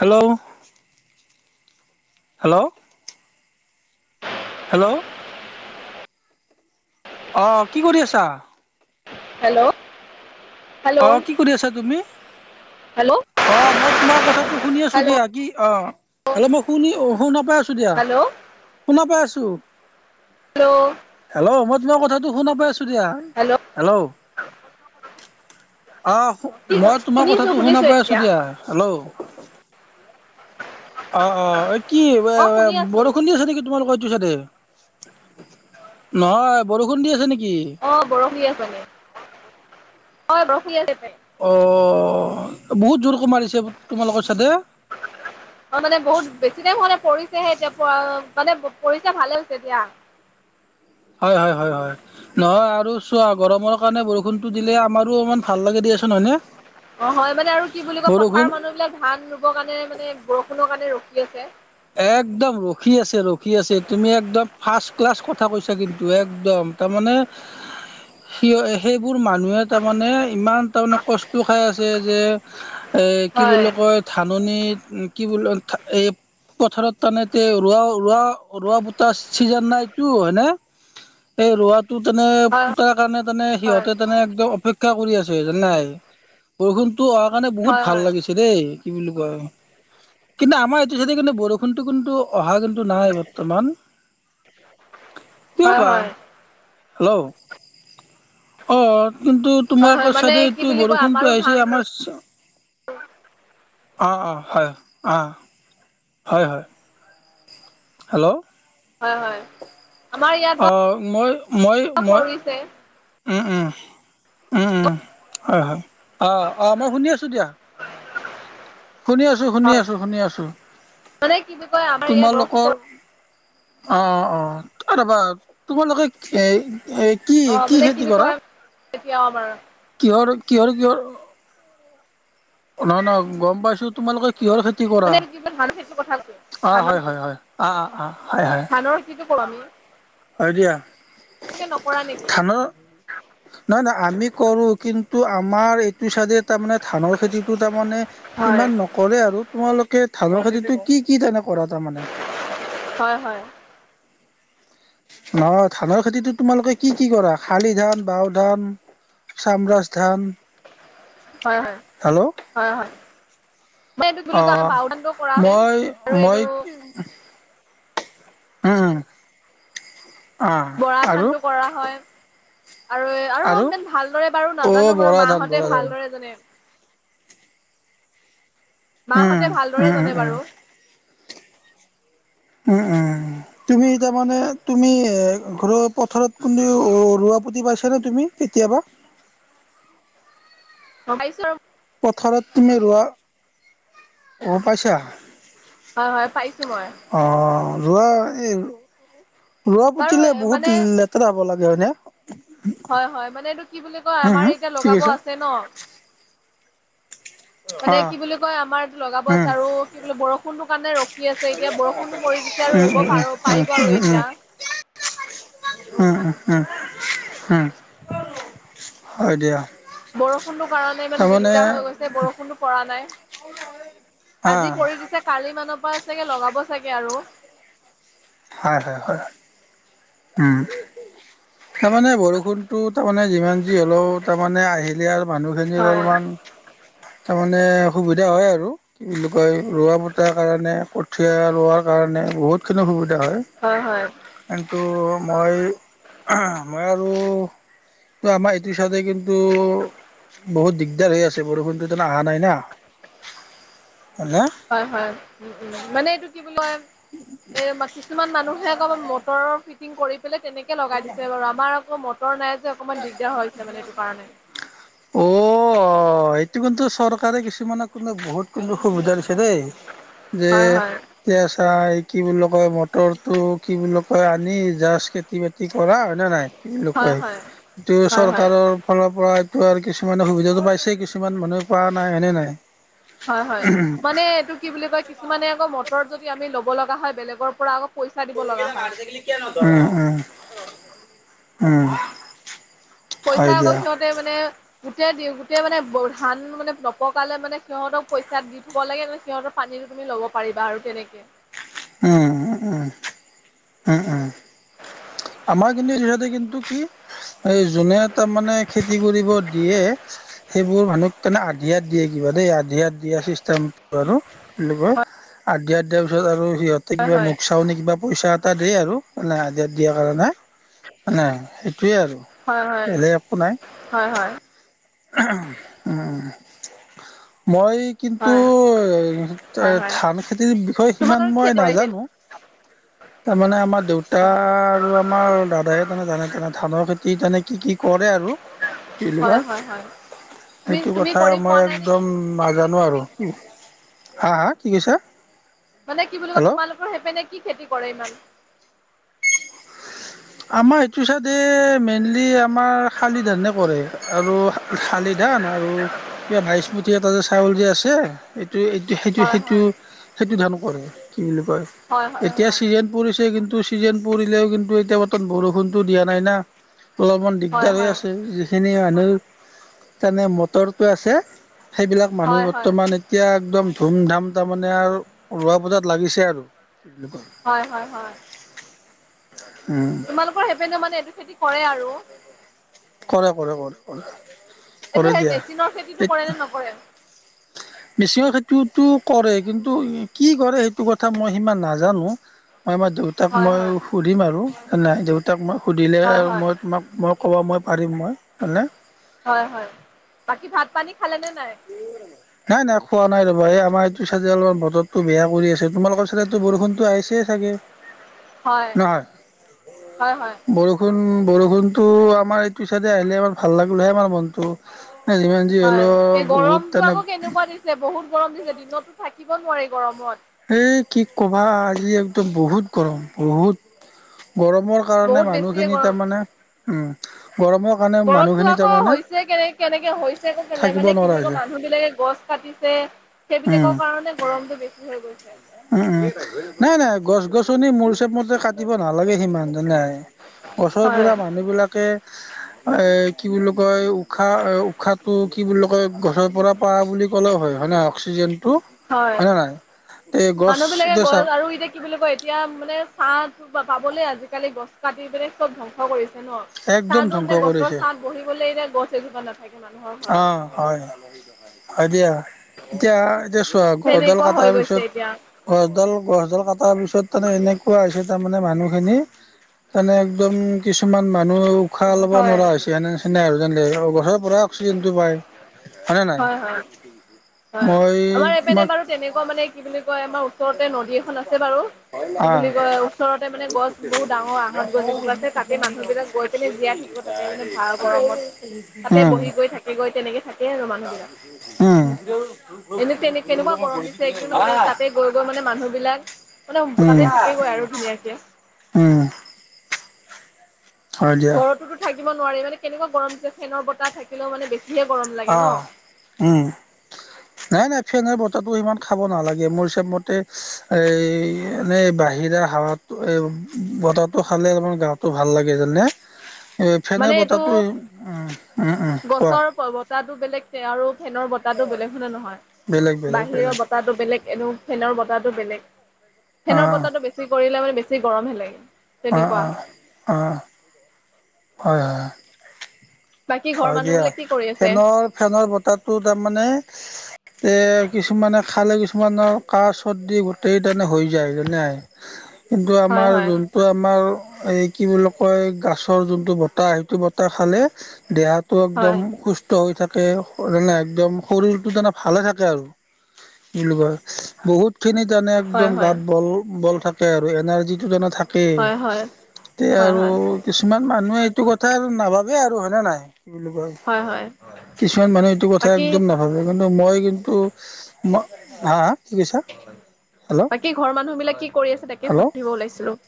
Hello. Hello. Hello. অ', কি কৰি আছা? হেল্ল'। অ, হেল্ল' কি কৰি আছা, তুমি? হেল্ল' অ, মই তোমাৰ কথাটো শুনি আছো হেল্ল' দিয়া, কি অ, হেল্ল, মই শুনি অ, শুনা পাই আছো দিয়া হেল্ল' শুনা পাই আছো। হেল্ল' হেল্ল, মই তোমাৰ কথাটো শুনা পাই আছো। দিয়া। হেল্ল, অ, কি মই তোমাৰ শুনিছো কথাটো শুনা শুনিছো পাই আছো এতিয়া দিয়া হেল্ল, অ, অ, কি অ এ, শুনি আছো বৰষুণ দি আছে নেকি তোমালোকৰ দে, নহয় বৰষুণ দি আছে নেকি। [unintelligible] অ, বহুত জোৰ মাৰিছে, তোমালোকৰ চাইদে অ মানে বহুত বেছি টাইম হোৱা নাই পৰিছেহে এতিয়া মানে, পৰিছে ভালে হৈছে এতিয়া। হয়, হয়, হয়, হয়, নহয় আৰু চোৱা গৰমৰ কাৰণে বৰষুণতটো দিলে আমাৰ। অ, হয় মানে আৰু কি বুলি ক বৰষুণ পথাৰৰ মানুহ বিলাক ধান ৰো কাৰণে মানে বৰষুণৰ কাৰণে ৰখি আছে। একদম ৰখি আছে ৰখি আছে তুমি একদম ফাৰ্ষট ক্লাছ কথা কৈছা কিন্তু। একদম তাৰ মানে। সি, সেইবোৰ মানুহে তাৰমানে ইমান তাৰমানে কষ্ট খাই আছে যে। এ, কি হয় বুলি কয় ধাননিত কি বুলি এ, পথাৰত তানে ৰোৱা, ৰোৱা, ৰোৱা, বটা চিজন না এইটো হয়নে। এই ৰোৱাতটো তেনে হয় পুতাৰ কাৰণে তেনে, হয় সিহঁতে তেনে, একদম অপেক্ষা কৰি আছে। জানাই, বৰষুণটোো অহাৰ কাৰণে বহুত হয় ভাল হয় লাগিছে দেই। কি বুলি কয, কিন্তু আমাৰ এইটো চাইছে, কিন্তু বৰষুণতটো কিন্তু। অহা কিন্তু নাই বৰ্তমান কিয় হয় বা। হয় হেল্ল, অ কিন্তু হয় তোমাৰ হয় আকৌ মানে চাদে কি এইটো বুলি কয় আমাৰো বৰষুণতটো আহিছে ধান আমাৰ অ, অ, হয় অ, হয় হয় হেল্ল, হয় হয়। আমাৰ ইয়াত অ, বাৰু মই মই মই পৰিছে উম, উম, উম উম হয় হয়। অ অ মই শুনি আছো দিয়া শুনি আছো, শুনি হয় আছো, শুনি আছো, মানে কি বুলি কয় আমাৰ ইয়াত বৰষুণ তোমালোকৰ। পৰে অ, অ, অ, ৰবা তোমালোকে খে এ, কি কি খেতি কৰা? কেতিয়া আমাৰ। কিহৰ, কিহৰ, কিহৰ নহয়, নহয় গম পাইছো তোমালোকে কিহৰ খেতি কৰা? মানে কি বুলি ধানৰ খেতিৰ কথা কৈছো অ, ধানৰ হয় খেতি হয় হয় অ, অ, হয় হয়। [unintelligible] হয় দিয়া। তোমালোকে নকৰা নেকি ধানৰ নহয় নহয়, আমি কৰো কিন্তু আমাৰ। টো চাইডে তাৰমানে ধানৰ খেতিটো তাৰমানে হয় সিমান নকৰে আৰু তোমালোকে। ধঢালৰ খেতিতটো কি কি তাৰে কৰা তাৰমানে? হয় হয় নহয় ধানৰ খেতিতো তোমালোকে কি কি কৰা? শালি ধান বাও ধান। চাম ৰাজ ধান। হয় হয়, হেল্ল' হয় হয়। এইটো ধলো অ বাাওঁধানটো কৰা হয় মই আৰু মই এইটো। উম, আহ, বৰা আৰু। ধানটো কৰা হয় আৰু আৰু ম, ভালদৰে বাৰু অ নাজানো বাৰু বৰা মা ধান হতে বৰা ধান ভালদৰে জানে। মা উম, হতে উম, ভালদৰে উম, জানে উম, বাৰু। উম, উম, তুমি তাৰ মানে তুমি এ ঘৰৰ পথাৰত কোনেও ৰোৱা পতি পাইছা নে তুমি কেতিয়াবা? অ', পাইছো। পথাৰত তুমি ৰোৱা, অ' পাইছা? হয়, হয় পাইছো মই। অ' ৰোৱা এই ৰোৱা বাৰু পুতিলে মানে বহুত লেতেৰা হ'ব লাগে হয়নে? হয়, হয় মানে এইটো কি বুলি কয় উম, আমাৰ হম এতিয়া কি লগাব কৈছা? আছে ন। মানে অ' কি বুলি কয় আমাৰ এইটো লগাব আছে উম, আৰু কি বুলি বৰষুণটো কাৰণে ৰখি আছে। এতিয়া বৰষুণটো পৰি দিছে আৰু উম, উম, ৰুব উম, পাৰ পাৰিব আৰু এতিয়া। উম, উম, হম। হম হয় দিয়া। বৰষুণটো কাৰণে ইমান তাৰমানে দিগদাৰ হৈ গৈছে বৰষুণো পৰা নাই। আজি আহ কৰি দিছে কালি মানৰ পৰা চাগে লগাব চাগে আৰু। হয়, হয়, হয়, উম। তাৰমানে বৰষুণতো তাৰমানে যিমান যি হ'লেও তাৰমানে আহিলে আৰু মানুহখিনি হয় অলমান তাৰমানে সুবিধা হয় আৰু কি বুলি কয় ৰোৱা বতাৰ কাৰণে কঠীয়া ৰোৱাৰ কাৰণে। বহুতখিনি সুবিধা হয়। কিন্তু মই মই আৰু ত' আমাৰ এইটো চাদে কিন্তু বহুত দিগদাৰ হৈ আছে বৰষুণটো অহা নাই না। হয়নে হয়, হয়, উম, উম মানে এইটো কি বুলি কয় এ [inaudible] কিছুমান মানুহে আকৌ মটৰৰ ফিটিং কৰি পেলাই তেনেকৈ লগাই দিছে বাৰু। আমাৰ আকৌ ম অও অ', এইটো কিন্তু চৰকাৰে কিছুমানক কিন্তু বহুত কিন্তু সুবিধা দিছে দেই। যে হয় হয় যে আছা কি বুলি কয় মটৰটো কি বুলি কয় আনি জাষ্ট খেতি বাতি কৰা হয়নে নাই। [unintelligible] হয় হয় যিটো হয় হয় চৰকাৰৰ ফালৰ পৰা আৰু কিছুমানে সুবিধাটো পাইছেই কিছুমান মানুহে পোৱা নাই, হয়নে নাই? হয়, হয় মানে এইটো কি বুলি কয় কিছুমানে আকৌ মটৰত যদি আমি ল'ব লগা হয় বেলেগৰ পৰা আকৌ পইচা দিব লগা হয় [unintelligible] উম, উম, উম। পইচা হয় আকৌ দিয়া সিহঁতে মানে গোটেই দি গোটেই মানে ধান মানে নপকালৈ মানে সিহঁতক পইচা দি থাকিব লাগে সিহঁতৰ পানী টো তুমি ল'ব পাৰিবা আৰু তেনেকে। উম, উম, উম, উম, উম। হয় কিন্তু সিহঁতে কিন্তু কি এই যোনে তাৰ মানে খেতি কৰিব দিয়ে। যিবোৰ মানুহক তেনে আধিয়াত দিয়ে কিবা দেই আধিয়াত দিয়া চিষ্টেম বাৰু আধিয়াত দিয়া পিছত আৰু সিহঁতে হয় কিবা মোক চাউনি কিবা পইচা এটা দিয়ে আৰু মানে আধিয়াত দিয়া কাৰণে। মানে সেইটোৱেই আৰু হয় হয় বেলেগ একো নাই। হয় হয় হয় উম, উম। মই কিন্তু হয় এ হয় হয় ধান খেতিৰ বিষয়ে সিমান তোমালোকৰ মই খেতি কৰে সেইপিনে? নাজানো। তাৰমানে আমাৰ দেউতা আৰু আমাৰ দাদায়ে তাৰমানে জানে তেনে ধানৰ খেতিত মানে কি কি কৰে আৰু। কি বুলি হয় কয় হয় হয় তুমি সেইটো তুমি কথা কৰি মই পোৱা নাই নেকি একদম নাজানো আৰু। হা হা কি কৈছা? মানে কি বুলি কয় হেল্ল' তোমালোকৰ সেইপিনে কি খেতি কৰে ইমান। আমাৰ এইটো চাইদে মেইনলি আমাৰ শালি ধানে কৰে আৰু শালি ধান আৰু কিবা বাইচমতি এটা যে চাউল যে আছে। হয় হয় এইটো-এইটো-সেইটো-সেইটো-সেইটো ধানো কৰে। কি বুলি কয় হয় এতিয়া হয় ছিজন পৰিছে কিন্তু চিজনে পৰিলেও কিন্তু এতিয়া বৰষুণতো দিয়া নাই না অলপমান হয় দিগদাৰ হৈ হয় আছে যিখিনিয় মানে তেনে মটৰটো আছে, সেইবিলাক মানুহ হয় হয় হয় বৰ্তমান এতিয়া একদম ধুমধাম তাৰমানে আৰু ৰোৱা বজাত লাগিছে আৰু। কয় হয়, হয়, হয়। উম তোমালোকৰ সেইপিনে মানে এইটো খেতি কৰে আৰু। কৰে, কৰে, কৰে, কৰে। এইটো কৰে সেই দিয়া মেচিনৰ খেতিটো কৰে নে নকৰে? মেচিনৰ খেতি ত, তটো কৰে কিন্তু কি কৰে সেইটো কথা মই সিমান নাজানো। মই আমাৰ দেউতাক হয় মই হয় সুধিম আৰু নাই দেউতাক মই সুধিলে হয় আৰু হয় মই তোমাক মই ক'ব মই পাৰিম মই হয়নে। হয়, হয়, বাকী ভাত, পানী খালে নে, নাই। নাই নাই খোৱা নাই ৰ'বা এই আমাৰ এইটো চাইডে অলপমান বতৰতটো বেয়া কৰি আছে। তোমালোকৰ চাইডেতো বৰষুণতো আহিছে চাগে। হয় নহয় হয় হয় বৰষুণ বৰষুণটো আমাৰ এইটো ছাইডে আহিলে আমাৰ ভাল লাগিলহে আমাৰ মনটো। যিমান যি হয় এই হলেও বহুত গৰমটো তেনে আকৌ কেনেকুৱা দিছে বহুত গৰম দিছে দিনততো থাকিব নোৱাৰি গৰমত। এই কি ক'বা আজি একদম বহুত গৰম বহুত গৰমৰ কাৰণে বহুত বেছিয়ে মানুহখিনি তাৰমানে, উম। গৰমৰ কাৰণে গৰমতটো মানুহখিনি আকৌ তাৰমানে হৈছে কেনে, কেনেকে হৈছে আকৌ কেলে থাকিব মানে কি নোৱাৰা বুলি ক হৈছে মানুহ বিলাকে গছ কাটিছে উম। সেইবিলাকৰ কাৰণে গৰমতটো বেছি হৈ গৈছে। উম, উম, নাই, নাই, গছ-গছনি মোৰ হিচাব মতে কাটিব নালাগে সিমান গছৰ হয় পৰা মানুহ বিলাকে এ, কি বুলি কয়। উশাহটো কি বুলি কয় গছৰ পৰা পা বুলি ক'লেও হয় হয়ে নে অক্সিজেন। হয় না নাই। এই গছ মানুহ বিলাকে এতিয়া গছ চাওক আৰু এতিয়া কি বুলি কয় এতিয়া মানে চাহ পাবলৈ আজিকালি গছ কাটিপেলে চব ধ্বংস কৰিছে। চা একদম টোহ ধ্বংস মানে গছৰ কৰিছে ছাঁত বহিবলে এনে গছ এজোপা নাথাকে। মানুহৰ অ, ঘৰত। হয়, হয় দিয়া এতিয়া, এতিয়া গছডাল তেনেকুৱা হৈ কটাৰ গৈছে পিছত এতিয়া। গছডাল, গছডাল কটাৰ পিছত তেনে এনেকুৱা হৈছে। তাৰ মানে মানুহ খিনি তানে একদম কিছুমান মানুহ উশাহ ল'ব হয়। নোৱাৰা হৈছে। এনে আৰু যেনে গছৰ পৰা অক্সিজেন টো পায়। নে নাই হয়, হয়। হয় মই আমাৰ এপিনে তোমাক বাৰু তেনেকুৱা মানে কি বুলি কয় আমাৰ ওচৰতে নদী এখন আছে বাৰু। কি আহ বুলি কয় ওচৰতে মানে গছ বহুত ডাঙৰ আহঁত গছ যিজোপা আছে তাতে মানুহ বিলাক গৈ পিনে জিৰাই থাকিব। তাতে মানে ভাল গৰমত তাতে উম বহি গৈ থাকি গৈ তেনেকে থাকে আৰু মানুহ। উম এনে, তেনে, কেনেকুৱা গৰম দিছে তাতে গৈ, গৈ মানে মানুহ বিলাক মানে উম, তাতে থাকেগৈ আৰু ধুনীয়াকে। উম। হয় দিয়া ঘৰতোতো থাকিব নোৱাৰি মানে কেনেকুৱা গৰম দি হৈছে ফেনৰ বতাহ থাকিলেও মানে বেছি অ, উম, নাই, নাই। ফেনৰ বতাহটো সিমান খাব নালাগে। মোৰ হিচাপ মতে এই এনেই বাহিৰা হাৱা এ, বতাহটো খালে অলপমান গাটো ভাল লাগে জনানে। এই ফেনেৰ মানে এইটো বতাহটো উ, উম, উম, কোৱা? বাহিৰৰ টো বেলেগ আৰু ফেনৰ বতাহটো বেলেগ হয়নে নহয় বেলেগ বেলেগ বাহিৰৰ, বেলেগ বতাহটো বেলেগ এনেও ফেনৰ বতাহটো বেলেগ ফেনৰ অ', বতাহটো বেছি কৰিলে মানে বেছি গৰমহে লাগে। অহ, তেনেকুৱা। অহ, অহ, হয়, হয়। বাকী ঘৰৰ হয় মানুহ দিয়া বিলাক কি কৰি আছে? ফেনৰ, ফেনৰ বতাহটো তাৰমানে এ, কিছুমানে খালে, কিছুমান কিছুমানৰ কাহ চৰ্দি গোটেই তানে হৈ যায় যেনে কিন্তু হয় আমাৰ হয় যোনটো আমাৰ এই কি বুলি কয় গাছ গছৰ জোনটো বতাহ সেইটো বতাহ খালে দেহত হয় সুস্থ হৈ থাকে ত মানে একদম শৰীৰটো তোনে ভালে থাকে আৰু বুলি কয় বহুত খিনি জানে হয় এক্দম হয় গাত বল বল থাকে আৰু এনাৰ্জি টো জান থাক তাকেই হয় হয় হয় এ হয় আৰু হয় কিছুমান মানুহে এইটো কথা আৰু নাভাবে আৰু হয়নে নাই কি বুলি কয় হয় হয় কিছুমান মানুহে এইটো কথা বাকী একদম নাভাবে কি মই কিন্তু মই হা কি কৈছা হেল্ল' বাকী ঘৰৰ মানুহ বিলাক কি কৰি আছে তাকে হেল্ল' সুধিব ওলাইছিলো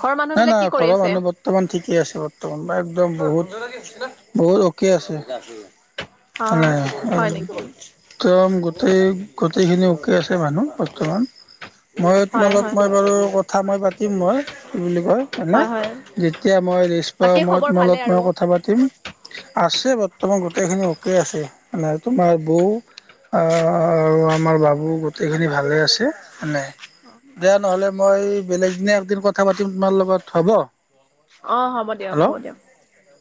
ঘৰৰ মানুহ নাই বিলাক নাই কি কৰি ঘৰৰ আছে? মানুহ বৰ্তমান ঠিকে আছে বৰ্তমান একদম বহুত বহুত অ'কে আছে অ ন নাই হয় নেকি? একম গোটেই গোটেইখিনি ঠিকে আছে মানুহ বৰ্তমান মই হয় তোমালোক হয় মই বাৰু কথা মই পাতিম মই কি বুলি কয় হানে হয় হয় যেতিয়া মই লষ্ট পাওঁ বাকী মই খবৰ তোমাল ভালে লগ মই আৰু কথা পাতিম আছে বৰ্তমান গোটেইখিনি অকে আছে মানে তোমাৰ বৌ আহ আৰু আমাৰ বাবু গোটেইখিনি ভালে আছে নে দিয়া নহলে মই বেলেগ দিনে একদিন কথা পাতিম তোমাৰ লগত হ'ব অ হ'ব দিয়ক হ'ব হেল্ল' দিয়ক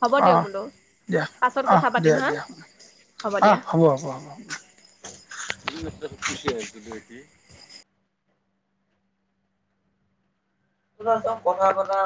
হ'ব দিয়ক অঁ বোলো দিয়া পাছত অঁ কথা পাতিম দিয়া হা দিয়া আহ হ'ব হ'ব হ'ব নিমত খুচি আছ দুেটি তম বনা বনা